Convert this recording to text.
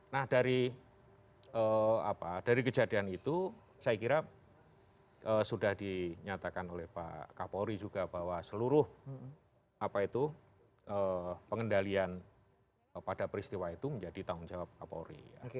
nah dari kejadian itu saya kira sudah dinyatakan oleh pak kapolri juga bahwa seluruh pengendalian pada peristiwa itu menjadi tanggung jawab kapolri